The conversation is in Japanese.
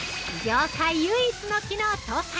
◆業界唯一の機能搭載！